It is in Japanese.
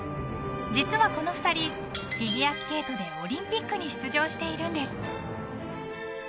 実は、この２人フィギュアスケートでオリンピックに出場しているんです。